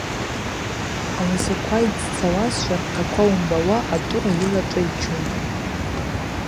Ауасаква йдзцауазшва рхъаква уымбауа атӏура йылачӏва йчун.